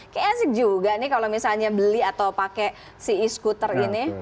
kayaknya asik juga nih kalau misalnya beli atau pakai si e scooter ini